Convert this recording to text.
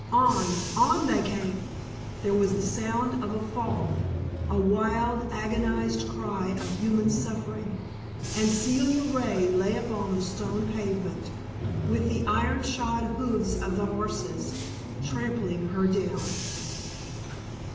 On, on they came! There was the sound of a fall, a wild, agonized cry of human suffering, and Celia Ray lay upon the stone pavement, with the iron shod hoofs of the horses trampling her down.